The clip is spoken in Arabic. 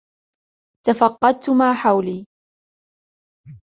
تفقدت ما حولي.